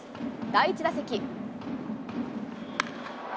第１打席。